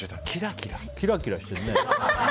キラキラしてるね。